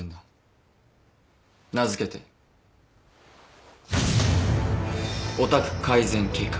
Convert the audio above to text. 名付けてヲタク改善計画。